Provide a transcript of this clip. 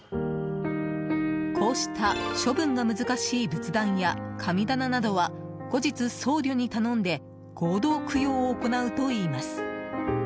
こうした処分が難しい仏壇や神棚などは後日、僧侶に頼んで合同供養を行うといいます。